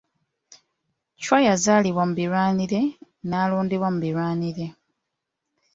Chwa yazaalirwa mu birwanire, n'alonderwa mu birwanire.